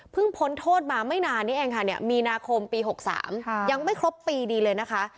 พ้นโทษมาไม่นานนี้เองค่ะเนี่ยมีนาคมปี๖๓ยังไม่ครบปีดีเลยนะคะ